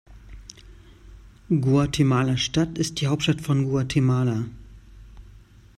Guatemala-Stadt ist die Hauptstadt von Guatemala.